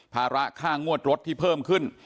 ภาระค่างวดรถที่เพิ่มขึ้น